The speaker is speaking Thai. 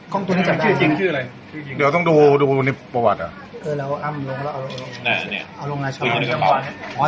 กล้องตัวนี้จัดร้านอะไรเดี๋ยวต้องดูดูในประวัติอ่ะเออแล้วอ่ะเอาลงที่ลงกระเป๋า